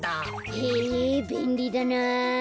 へえべんりだな。